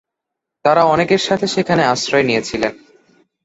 তারা অনেকের সাথে সেখানে আশ্রয় নিয়েছিলেন।